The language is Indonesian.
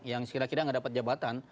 yang kira kira nggak dapat jabatan